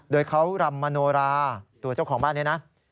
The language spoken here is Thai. โดยเขารำมโนราตัวเจ้าของบ้านนี้นะ